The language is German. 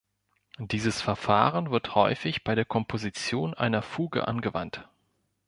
Dieses Verfahren wird häufig bei der Komposition einer Fuge angewandt.